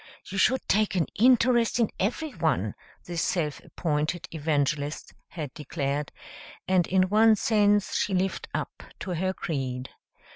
"You should take an interest in everyone," this self appointed evangelist had declared, and in one sense she lived up to her creed.